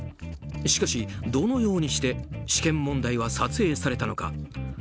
しかし、どのようにして試験問題は撮影されたのか。